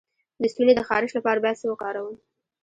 د ستوني د خارش لپاره باید څه وکاروم؟